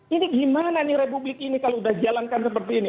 ini gimana nih republik ini kalau udah jalankan seperti ini